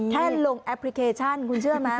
แค่ลงแอปพลิเคชันคุณเชื่อไหม